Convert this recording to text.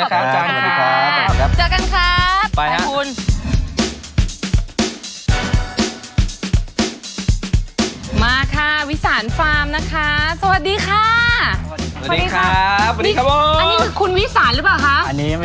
ขอบคุณนะคะอาจารย์ขอบคุณครับขอบคุณครับ